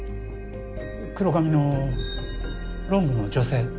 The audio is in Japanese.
黒髪のロングの女性。